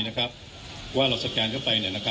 คุณผู้ชมไปฟังผู้ว่ารัฐกาลจังหวัดเชียงรายแถลงตอนนี้ค่ะ